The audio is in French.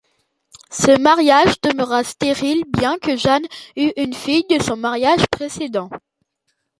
Ce mariage demeura stérile, bien que Jeanne eut une fille de son mariage précédent.